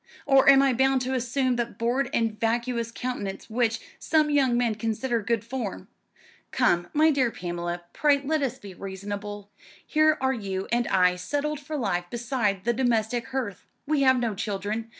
Or am I bound to assume that bored and vacuous countenance which some young men consider good form? Come, my dear Pamela, pray let us be reasonable. Here are you and I settled for life beside the domestic hearth. We have no children.